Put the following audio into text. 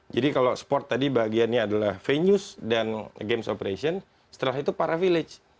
kalau sport tadi bagiannya adalah venue dan games operation setelah itu para village